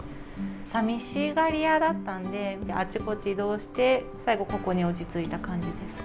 さみしがり屋だったんで、あちこち移動して、最後、ここに落ち着いた感じです。